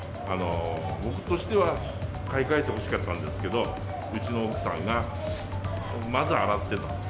僕としては、買い替えてほしかったんですけど、うちの奥さんが、まずは洗ってと。